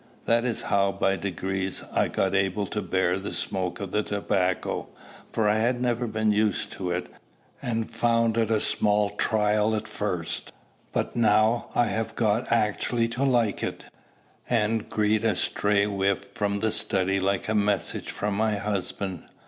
That is how by degrees I got able to bear the smoke of tobacco, for I had never been used to it, and found it a small trial at first; but now I have got actually to like it, and greet a stray whiff from the study like a message from my husband.